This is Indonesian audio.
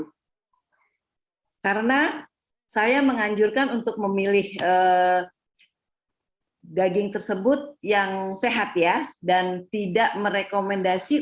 hai karena saya menganjurkan untuk memilih daging tersebut yang sehat ya dan tidak merekomendasi